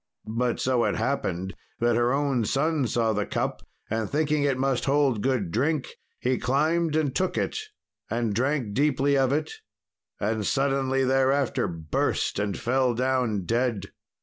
But so it happened that her own son saw the cup, and, thinking it must hold good drink, he climbed and took it, and drank deeply of it, and suddenly thereafter burst and fell down dead.